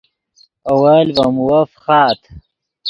اول ڤے مووف فخآت